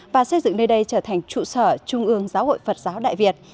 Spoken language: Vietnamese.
và xây dựng nơi đây trở thành trụ sở trung ương giáo hội phật giáo đại việt